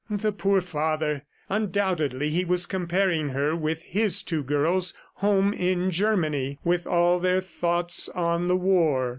The poor father! ... Undoubtedly he was comparing her with his two girls home in Germany, with all their thoughts on the war.